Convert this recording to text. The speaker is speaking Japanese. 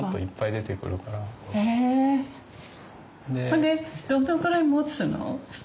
ほんでどのくらいもつの？